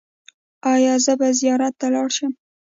ایا زه به زیارت ته لاړ شم؟